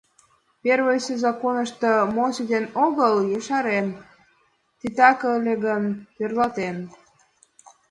Первойсо законышто мо ситен огыл — ешарен, титак ыле гын, тӧрлатен.